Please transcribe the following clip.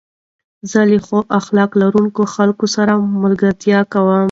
زه له ښو اخلاق لرونکو خلکو سره ملګرتيا کوم.